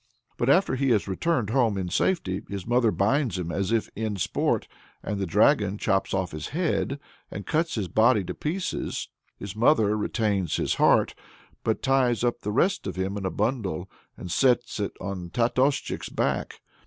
But after he has returned home in safety, his mother binds him as if in sport, and the dragon chops off his head and cuts his body to pieces. His mother retains his heart, but ties up the rest of him in a bundle, and sets it on Tatoschik's back.